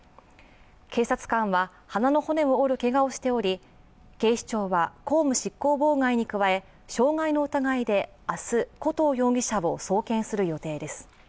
警察官は鼻の骨を折るけがをしており警視庁は、公務執行妨害に加え傷害の疑いで明日、古東容疑者を送検する予定です。